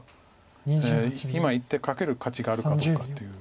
今１手かける価値があるかどうかという。